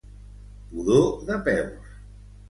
Pudor de peus.